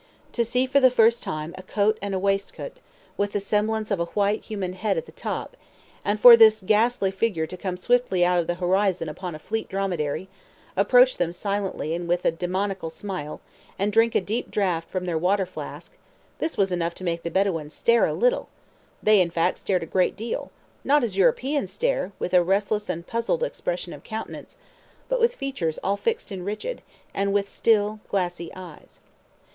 To see for the first time a coat and a waistcoat, with the semblance of a white human head at the top, and for this ghastly figure to come swiftly out of the horizon upon a fleet dromedary, approach them silently and with a demoniacal smile, and drink a deep draught from their water flask—this was enough to make the Bedouins stare a little; they, in fact, stared a great deal—not as Europeans stare, with a restless and puzzled expression of countenance, but with features all fixed and rigid, and with still, glassy eyes.